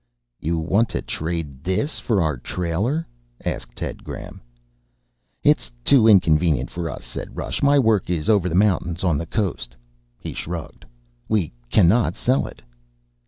"You want to trade this for our trailer?" asked Ted Graham. "It's too inconvenient for us," said Rush. "My work is over the mountains on the coast." He shrugged. "We cannot sell it."